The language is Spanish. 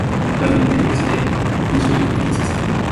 Actualmente reside en Nashville, Tennessee.